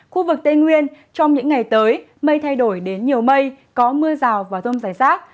khu vực tây nguyên trong những ngày tới mây thay đổi đến nhiều mây có mưa rào và rông rải rác